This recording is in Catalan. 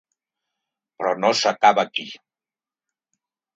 Però no s’acaba aquí.